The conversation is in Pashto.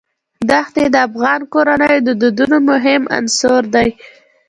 دښتې د افغان کورنیو د دودونو مهم عنصر دی.